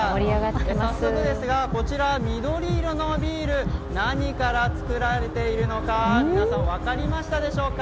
早速ですが、こちら緑色のビール何から作られているのか、皆さん、分かりましたでしょうか。